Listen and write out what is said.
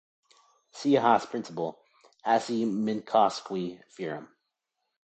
See Hasse principle, Hasse-Minkowski theorem.